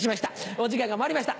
お時間がまいりました